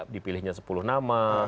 dipilihnya sepuluh nama